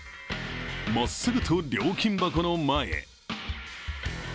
まっすぐと料金箱の前へ。